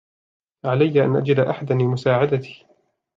علي أن أجد أحدا لمساعدتي.